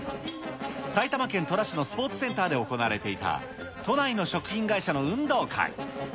埼玉県戸田市のスポーツセンターで行われていた、都内の食品会社の運動会。